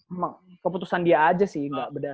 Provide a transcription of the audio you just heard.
emang keputusan dia aja sih nggak berdasarkan